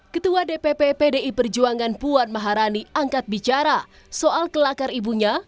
ketua dpp pdi perjuangan puan maharani angkat bicara soal kelakar ibunya